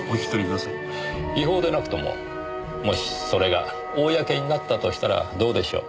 違法でなくとももしそれが公になったとしたらどうでしょう？